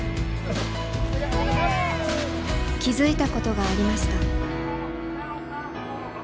気付いたことがありました。